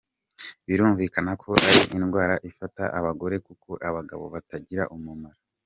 Birumvikana ko ari indwara ifata abagore kuko abagabo batagira umura.